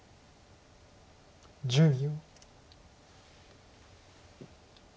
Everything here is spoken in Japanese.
１０秒。